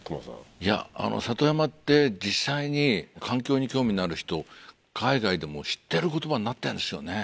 いや里山って実際に環境に興味のある人海外でも知ってる言葉になってるんですよね。